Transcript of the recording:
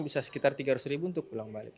bisa sekitar rp tiga ratus untuk pulang balik